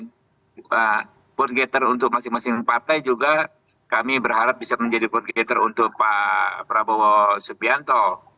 nah purgator untuk masing masing partai juga kami berharap bisa menjadi purgator untuk pak prabowo subianto